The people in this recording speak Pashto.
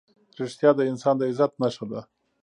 رښتیا د انسان د عزت نښه ده.